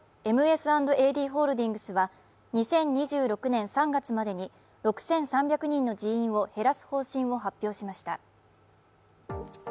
ホールディングスは２０２６年３月までに６３００人の人員を減らす方針を発表しました。